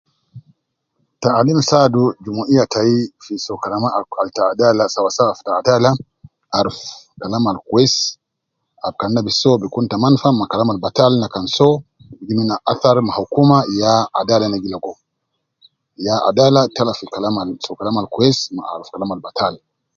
Taalim saadu jum-iya tai fi soo kalama al al ta adala sawa sawa te adala, aruf kalam al kwesi, ab kan na bi soo bi kun ta manfa ma kalam al batal na kan soo, bi jib nena athari ma hukuma, ya adala na gi ligo, ya adala tala fi soo kalam al kwesi me aruf kalam al batal